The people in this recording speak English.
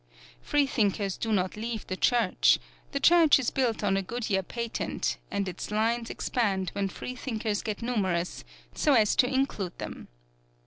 Freethinkers do not leave the Church; the Church is built on a Goodyear patent, and its lines expand when Freethinkers get numerous, so as to include them.